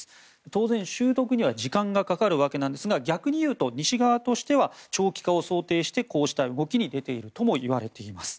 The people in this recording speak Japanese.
当然、習得には時間がかかるわけですが逆に言うと西側としては長期化を想定してこうした動きに出ているともいわれています。